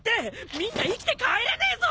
みんな生きて帰れねえぞ！